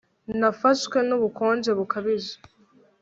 Nafashwe nubukonje bukabije